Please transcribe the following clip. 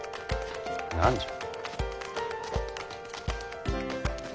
何じゃ？